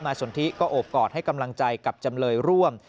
สนทิก็โอบกอดให้กำลังใจกับจำเลยร่วม